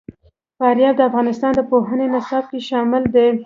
فاریاب د افغانستان د پوهنې نصاب کې شامل دي.